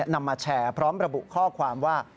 นำมาแชร์พร้อมระบุข้อความว่า